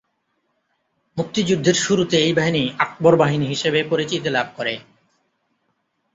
মুক্তিযুদ্ধের শুরুতে এই বাহিনী 'আকবর বাহিনী' হিসেবে পরিচিতি লাভ করে।